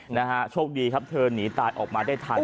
นะฮะโชคดีครับเธอหนีตายออกมาได้ทัน